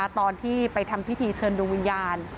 ตอนที่ไปทำพิธีเชิญดวงวิญญาณ